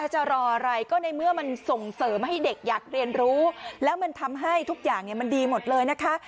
จะรออะไรก็ในเมื่อมันส่งเสริมให้เด็กอยากเรียนรู้แล้วมันทำให้ทุกอย่างมันดีหมดเลยนะคะ